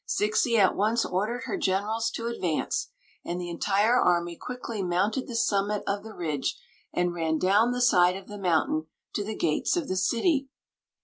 Zixi at once ordered her generab to advance, and the entire army quickly mounted the summit of the ridge and ran down the side of the mountain to the gates of the city.